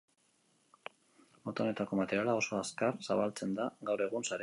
Mota honetako materiala oso azkar zabaltzen da gaur egun sarearen bidez.